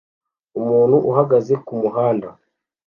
umuntu uhagaze kumuhanda